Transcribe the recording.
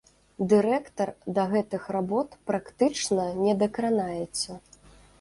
Дырэктар да гэтых работ практычна не дакранаецца.